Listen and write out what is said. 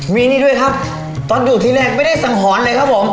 มีนี่ด้วยครับตอนอยู่ที่แรกไม่ได้สังหรณ์เลยครับผม